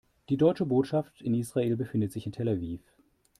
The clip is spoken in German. Die Deutsche Botschaft in Israel befindet sich in Tel Aviv.